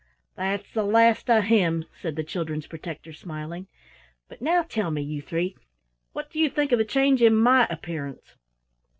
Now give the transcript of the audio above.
"That's the last of him" said the children's protector smiling, "but now tell me, you three, what do you think of the change in my appearance?"